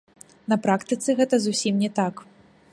На практыцы гэта зусім не так.